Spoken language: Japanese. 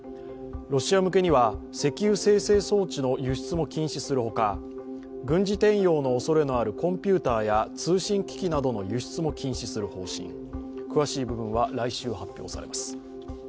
ロシア向けには石油精製装置の輸出も禁止するほか軍事転用のおそれのあるコンピュータや通信機器などの輸出も禁止する方針、詳しい部分は来週発表されます。